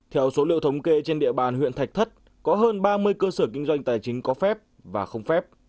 theo số liệu thống kê trên địa bàn huyện thạch thất có hơn ba mươi cơ sở kinh doanh tài chính có phép và không phép